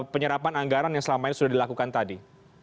penyerapan anggaran yang selama ini sudah dilakukan tadi